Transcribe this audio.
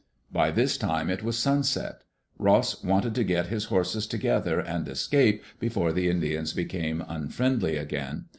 *' By this time it was sunset. Ross wanted to get his horses together and escape before the Indians became unfriendly again.